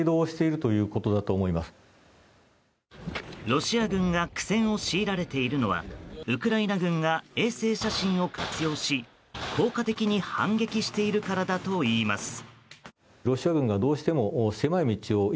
ロシア軍が苦戦を強いられているのはウクライナ軍が衛星写真を活用し効果的に反撃しているからだといいます。